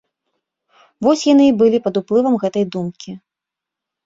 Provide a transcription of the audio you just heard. Вось яны і былі пад уплывам гэтай думкі.